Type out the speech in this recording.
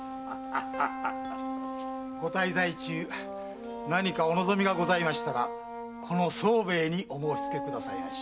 ご滞在中何かお望みがございましたらこの宗兵衛にお申し付けくださいまし。